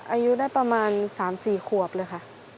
อายุได้ประมาณ๓๔ขวบเลยค่ะ